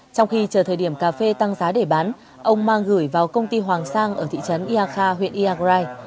trong khi chờ thời điểm cà phê tăng giá để bán ông mang gửi vào công ty hoàng sang ở thị trấn ia kha huyện iagrai